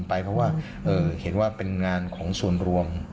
เพราะว่าเห็นว่าเป็นงานของส่วนรวม